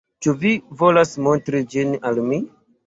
Ĉu vi volas montri ĝin al mi?